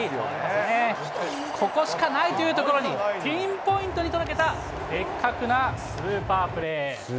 ここしかないという所に、ピンポイントに届けたベッカクなスーパープレー。